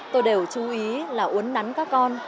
tôi đều chú ý là uấn nắn các con